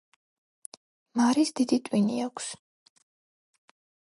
მარის დიდი ტვინი აქვს.